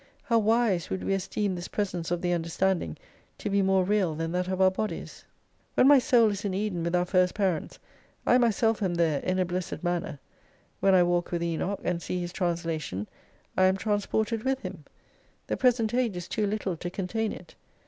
How wise, would we esteem this presence of the understanding, to be more real than that of our bodies ! When my soul is in Eden with our first parents, I myself am there in a blessed manner. When I walk with Enoch, and see his trans lation, I am transpotted with him. The present age is too little to contain it.